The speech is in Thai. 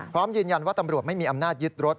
พร้อมยืนยันว่าตำรวจไม่มีอำนาจยึดรถ